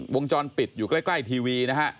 วงจรปิดอยู่ใกล้ทีวีนะฮะ